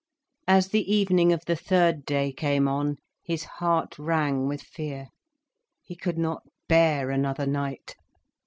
As the evening of the third day came on, his heart rang with fear. He could not bear another night.